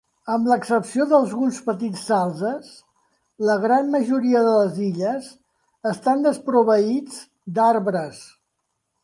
Amb l'excepció d'alguns petits salzes, la gran majoria de les illes estan desproveïts d'arbres.